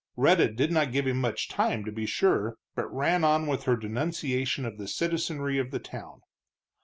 Rhetta did not give him much time, to be sure, but ran on with her denunciation of the citizenry of the town.